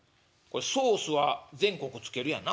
ソースは全国つけるやんな